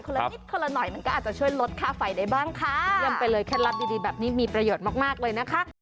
ละนิดคนละหน่อยมันก็อาจจะช่วยลดค่าไฟได้บ้างค่ะเยี่ยมไปเลยเคล็ดลับดีดีแบบนี้มีประโยชน์มากมากเลยนะคะ